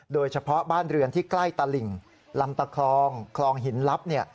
โดยเฉพาะบ้านเรือนที่ใกล้ตลิ่งลำตะคลองคลองหินลับ